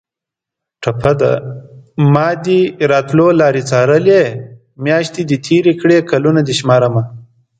ټپه ده: مادې راتلو لارې څارلې میاشتې دې تېرې کړې کلونه دې شمارمه